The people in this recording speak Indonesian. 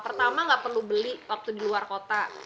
pertama nggak perlu beli waktu di luar kota